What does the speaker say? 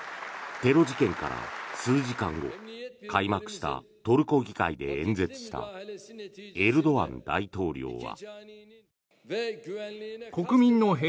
テロ事件から数時間後開幕したトルコ議会で演説したエルドアン大統領は。